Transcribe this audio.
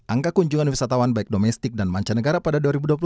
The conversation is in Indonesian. angka kunjungan wisatawan baik domestik dan mancanegara pada dua ribu dua puluh satu